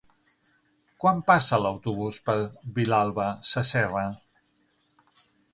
Quan passa l'autobús per Vilalba Sasserra?